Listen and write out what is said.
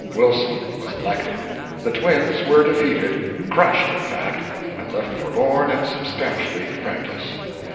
Wilson was elected, the twins were defeated crushed, in fact, and left forlorn and substantially friendless.